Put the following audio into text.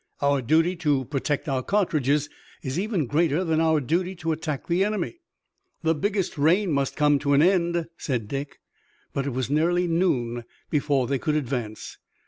Our duty to protect our cartridges is even greater than our duty to attack the enemy." "The biggest rain must come to an end," said Dick. But it was nearly noon before they could advance.